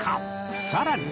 さらに